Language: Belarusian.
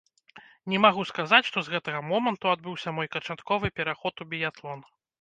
Не магу сказаць, што з гэтага моманту адбыўся мой канчатковы пераход у біятлон.